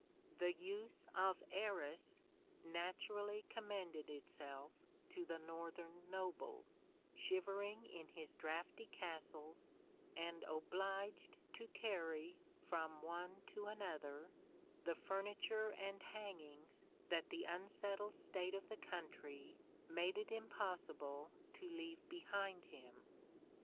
The use of arras naturally commended itself to the northern noble, shivering in his draughty castles and obliged to carry from one to another the furniture and hangings that the unsettled state of the country made it impossible to leave behind him.